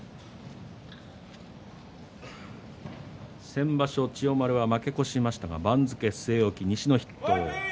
先場所、千代丸は負け越しましたが番付据え置き西の筆頭。